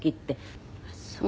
あっそう。